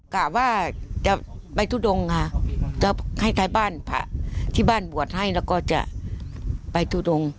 กะว่าจะไปทุดงค่ะจะให้ท้ายบ้านพระที่บ้านบวชให้แล้วก็จะไปทุดง